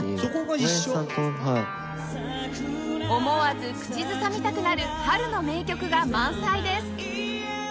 思わず口ずさみたくなる春の名曲が満載です